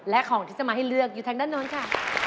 และของที่จะมาให้เลือกอยู่ทางด้านโน้นค่ะ